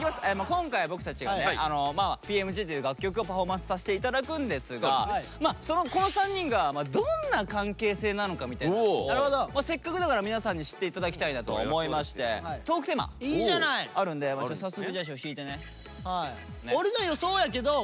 今回僕たちがね「Ｐ．Ｍ．Ｇ．」という楽曲をパフォーマンスさせて頂くんですがこの３人がどんな関係性なのかみたいなせっかくだから皆さんに知って頂きたいなと思いましてトークテーマあるんで早速引いてね。